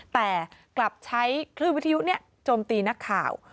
แต่กลับใช้คลื่นวิทยุโจมตีนักข่าว